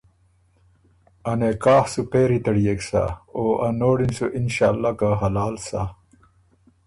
ا نکاح سُو پېری تړيېک سَۀ او ا نوړی ن سُو انشأالله که حلال سۀ